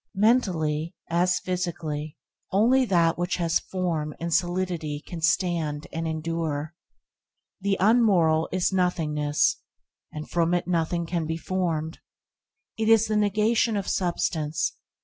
Mentally, as physically, only that which has form and solidity can stand and endure. The unmoral is nothingness, and from it nothing can be formed. It is the negation of substance.